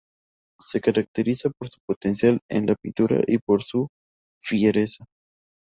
Se caracteriza por su potencial en la pintura y por su fiereza.